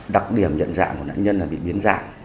đặc điểm nhận dạng của nạn nhân là bị biến dạng